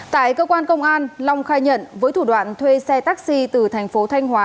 tại cơ quan công an long khai nhận với thủ đoạn thuê xe taxi từ thành phố thanh hóa